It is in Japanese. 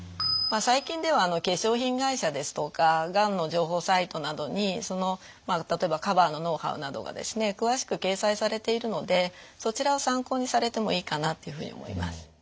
最近では化粧品会社ですとかがんの情報サイトなどにその例えばカバーのノウハウなどがですね詳しく掲載されているのでそちらを参考にされてもいいかなっていうふうに思います。